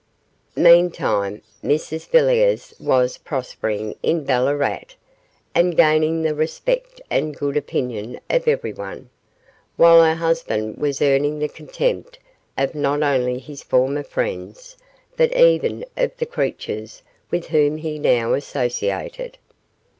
Meantime Mrs Villiers was prospering in Ballarat, and gaining the respect and good opinion of everyone, while her husband was earning the contempt of not only his former friends but even of the creatures with whom he now associated.